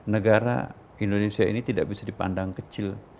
negara indonesia ini tidak bisa dipandang kecil